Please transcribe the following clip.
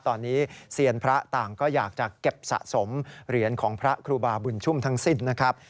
ตอนนี้เซียนพระต่างก็อยากจะเก็บสะสมเหรียญของพระครูบาบุญชุ่มทั้งสิ้นนะครับ